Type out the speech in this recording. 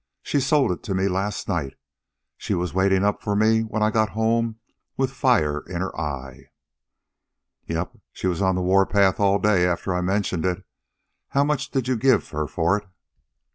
"She sold it to me last night. She was waiting up for me when I got home with fire in her eye." "Yep, she was on the warpath all day after I mentioned it. How much did you give her for it?"